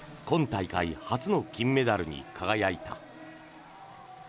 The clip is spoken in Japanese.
今大会初の金メダルに輝いた。